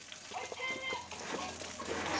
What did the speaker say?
na hali hii iko kweli kwa wazazi kama hawa